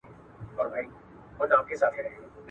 د علومو مطالعه ذهن روښانه کوي.